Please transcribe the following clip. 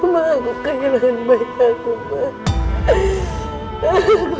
ma aku kehilangan baik aku ma